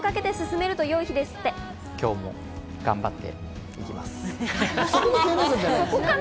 今日も頑張っていきます。